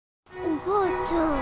おばあちゃん。